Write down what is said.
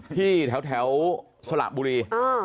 ที่แถวสละบุรี